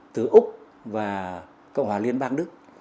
từ úc và cộng hòa liên bang đức